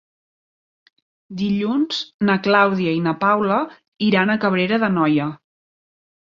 Dilluns na Clàudia i na Paula iran a Cabrera d'Anoia.